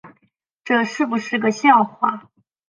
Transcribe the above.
这是不是个笑话